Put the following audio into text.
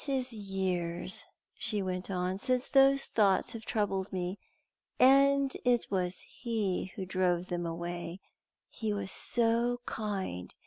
"] "It is years," she went on, "since those thoughts have troubled me, and it was he who drove them away. He was so kind!